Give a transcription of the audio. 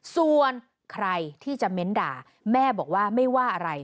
ส่วนใครที่จะเม้นด่าแม่บอกว่าไม่ว่าอะไร